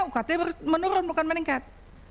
ukt menurun bukan meningkat